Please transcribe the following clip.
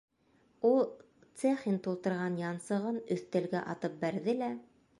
Ул цехин тултырған янсығын өҫтәлгә атып бәрҙе лә: